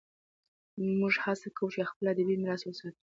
موږ هڅه کوو چې خپل ادبي میراث وساتو.